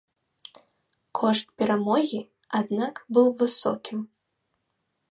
Кошт перамогі, аднак, быў высокім.